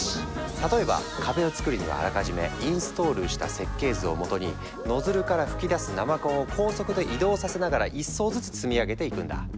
例えば壁をつくるにはあらかじめインストールした設計図をもとにノズルから噴き出す生コンを高速で移動させながら１層ずつ積み上げていくんだ。